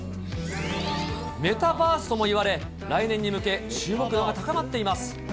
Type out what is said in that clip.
メタバースともいわれ、来年に向け、注目が高まっています。